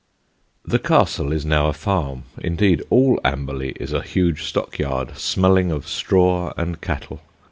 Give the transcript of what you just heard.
The castle is now a farm; indeed, all Amberley is a huge stockyard, smelling of straw and cattle.